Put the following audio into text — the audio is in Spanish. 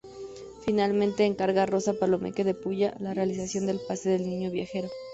Finalmente encarga a Rosa Palomeque de Pulla la realización del Pase del Niño Viajero.